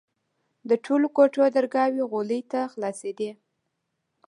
د ټولو کوټو درگاوې غولي ته خلاصېدې.